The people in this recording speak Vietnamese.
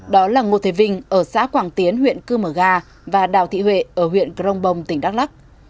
đó là ngô thế vinh ở xã quảng tiến huyện cư mở gà và đào thị huệ ở huyện grong bông tỉnh đắk lắc